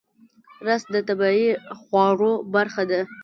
رس د طبیعي خواړو برخه ده